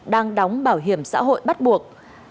đang đóng bảo hiểm xã hội bắt buộc